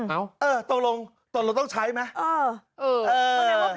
เออตรงรวมต้องใช้ไหม